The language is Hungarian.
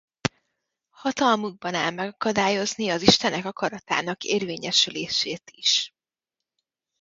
Hatalmukban áll megakadályozni az istenek akaratának érvényesülését is.